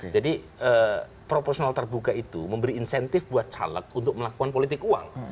jadi proportional terbuka itu memberi insentif buat caleg untuk melakukan politik uang